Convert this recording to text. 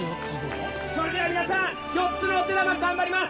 それでは皆さん、４つのお手玉頑張ります。